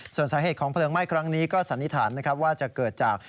ส่วนสาเหตุของเผลิงไหม้ครั้งนี้ก็สรริฐานว่าจะเกิดจาก